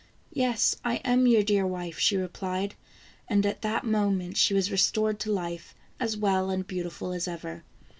" Yes, I am your dear wife," she replied, and at that moment she was restored to life, as well and beautiful as ever.